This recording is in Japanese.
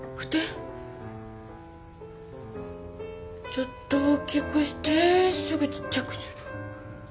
ちょっと大きくしてすぐちっちゃくする。